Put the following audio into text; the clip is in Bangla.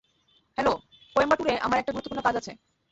হ্যালো, কোয়েম্বাটুরে আমার একটা গুরুত্বপূর্ণ কাজ আছে।